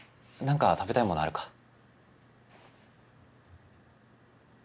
なんか食べたいものあるか？